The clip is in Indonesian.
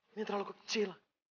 ini terlalu kecil